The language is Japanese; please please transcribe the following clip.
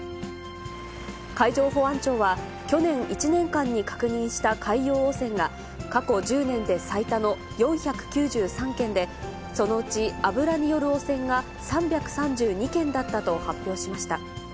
海上保安庁は、去年１年間に確認した海洋汚染が、過去１０年で最多の４９３件で、そのうち油による汚染が３３２件だったと発表しました。